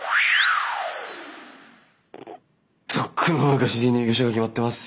とっくの昔に入居者が決まってます。